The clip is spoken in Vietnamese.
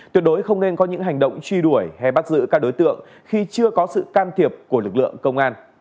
tuyệt đối không nên có những hành động truy đuổi hay bắt giữ các đối tượng khi chưa có sự can thiệp của lực lượng công an